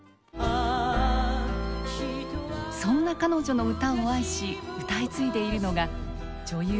そんな彼女の歌を愛し歌い継いでいるのが女優